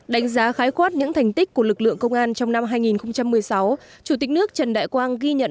đánh giá khái quát những thành tích của lực lượng công an trong năm hai nghìn một mươi sáu chủ tịch nước trần đại quang ghi nhận